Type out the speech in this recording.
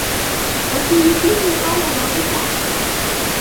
وَفِي مِثْلِهِ قَالَ اللَّهُ تَعَالَى